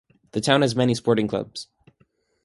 The town has many sporting clubs.